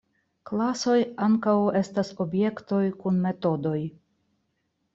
Klasoj ankaŭ estas objektoj kun metodoj.